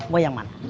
mau yang mana